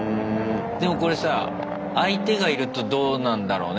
でもこれさ相手がいるとどうなんだろうね？